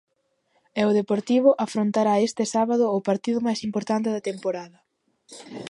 E o Deportivo afrontará este sábado o partido máis importante da temporada.